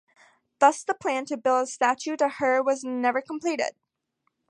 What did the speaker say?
Thus the plan to build a statue to her was never completed.